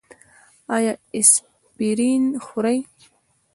ایا اسپرین خورئ؟